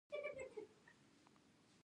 کار کول روغتیا ته ګټه رسوي.